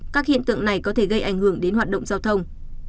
các hiện tượng này có thể gây ảnh hưởng đến hoạt động giao thông